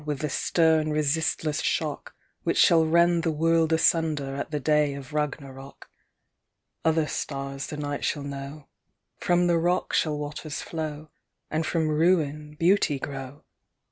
With the stern, resistless shock, Which shall rend the world asunder At the day of Ragnaroc. Other stars the night sliall kuo\v, From the rock shall waters flow, And from ruin beauty grow.